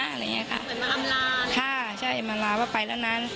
เหมือนมาลำลาค่ะใช่มาลำลาว่าไปแล้วนะ